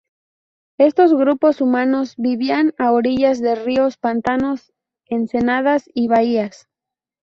Estos grupos humanos vivían a orillas de ríos, pantanos, ensenadas y bahías.